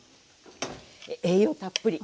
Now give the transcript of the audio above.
栄養たっぷり。